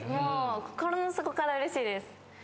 心の底からうれしいです。